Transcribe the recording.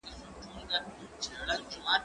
ايا ته بوټونه پاکوې!.